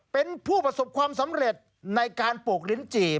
เป็นผู้ประสบความสำเร็จในการปลูกลิ้นจี่